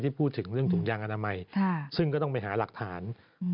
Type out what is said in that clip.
พูดถึงเรื่องถุงยางอนามัยซึ่งก็ต้องไปหาหลักฐาน